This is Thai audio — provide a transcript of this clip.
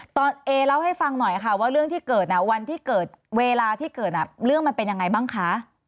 เอเล่าให้ฟังหน่อยค่ะว่าเรื่องที่เกิดวันที่เกิดเวลาที่เกิดเรื่องมันเป็นยังไงบ้างคะ